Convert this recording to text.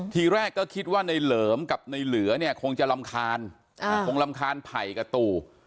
ทีแรกก็คิดว่าในเหลิมกับในเหลือเนี่ยคงจะรำคาญคงรำคาญไผ่กับตู่